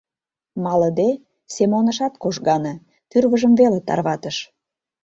— Малыде, — Семон ышат кожгане, тӱрвыжым веле тарватыш.